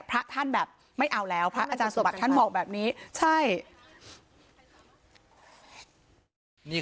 พระท่านแบบไม่เอาแล้วพระอาจารย์สมบัติท่านบอกแบบนี้ใช่